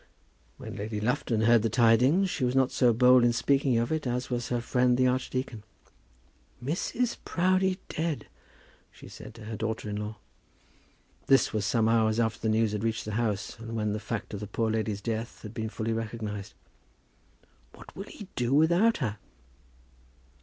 When Lady Lufton heard the tidings, she was not so bold in speaking of it as was her friend the archdeacon. "Mrs. Proudie dead!" she said to her daughter in law. This was some hours after the news had reached the house, and when the fact of the poor lady's death had been fully recognized. "What will he do without her?"